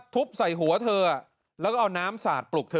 ทุบใส่หัวเธอแล้วก็เอาน้ำสาดปลุกเธอ